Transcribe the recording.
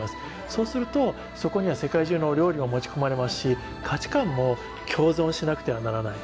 そうするとそこには世界中のお料理が持ち込まれますし価値観も共存しなくてはならない。